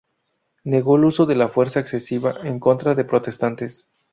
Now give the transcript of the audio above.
Negó el uso de la fuerza excesiva en contra de protestantes.